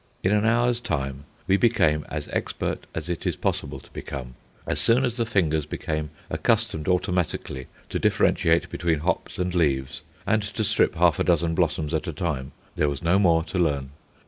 In an hour's time we became as expert as it is possible to become. As soon as the fingers became accustomed automatically to differentiate between hops and leaves and to strip half a dozen blossoms at a time there was no more to learn.